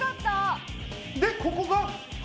で、ここが？